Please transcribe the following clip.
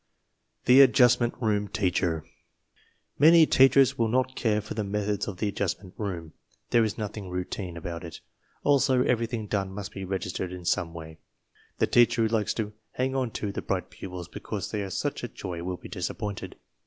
\THE ADJUSTMENT ROOM TEACHER Many teachers will not care for the methods of the Adjustment Room. There is nothing routine about it. Also, everything done must be registered in some way. The teacher who likes to "hang on to" the bright pupils because they are such a joy will be disappointed.